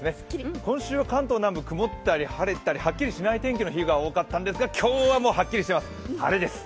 今週は関東南部、曇ったり晴れたりはっきりしない天気が多かったんですが今日ははっきりしてます、晴れです。